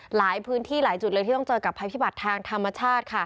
หลายพื้นที่หลายจุดเลยที่ต้องเจอกับภัยพิบัติทางธรรมชาติ